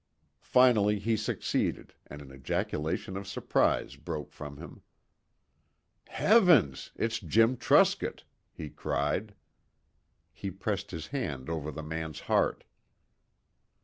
Finally he succeeded, and an ejaculation of surprise broke from him. "Heavens! It's Jim Truscott!" he cried. He pressed his hand over the man's heart.